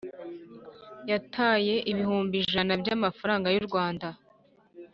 Yataye ibihumbi ijana by ‘amafaranga y u rwanda